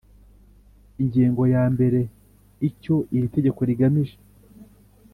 Ingingo ya mbere icyo iri tegeko rigamije